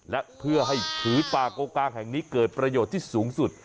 และเพื่อให้ผืนป่าโกกลางแห่งนี้เกิดประโยชน์ที่สูงสุด